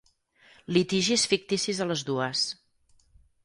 Litigis ficticis a les dues.